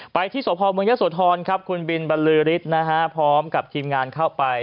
ไปที่โสภาวิทยามยสวทรครับคุณบิลบรรลือฤทธิ์พร้อมกับทีมงานเข้าไป